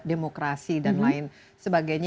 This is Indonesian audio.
demokrasi dan lain sebagainya